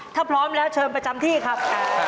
ถ้าพร้อมแล้วเชิญประจำที่ครับ